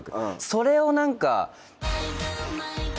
それを何か。